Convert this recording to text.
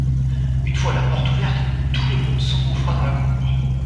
Une fois la porte ouverte, tout le monde s’engouffra dans la cour.